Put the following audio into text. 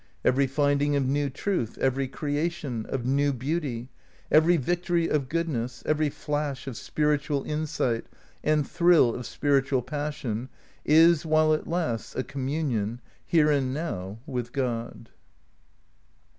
Every finding of new truth, every creation ( of new beauty; every victory of goodness, every flash ! of spiritual insight and thrill of spiritual passion, is, ' while it lasts, a communion, here and now, with God.